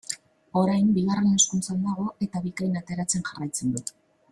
Orain Bigarren Hezkuntzan dago eta Bikain ateratzen jarraitzen du.